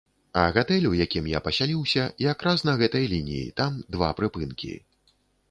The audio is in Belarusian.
А гатэль, у якім я пасяліўся, як раз на гэтай лініі, там два прыпынкі.